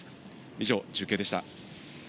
以上、中継でした。